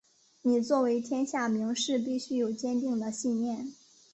你作为天下名士必须有坚定的信念！